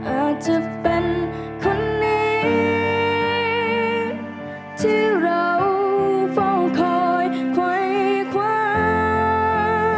อาจจะเป็นคนนี้ที่เราเฝ้าคอยคว้า